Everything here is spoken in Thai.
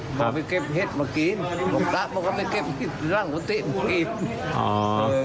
บอกว่าไปเก็บเห็ดมากินบอกว่าไปเก็บร่างติน